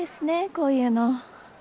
こういうの。